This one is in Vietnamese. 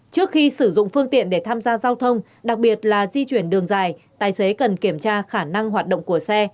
trước khi sử dụng phương tiện để tham gia giao thông đặc biệt là di chuyển đường dài tài xế cần kiểm tra khả năng hoạt động của xe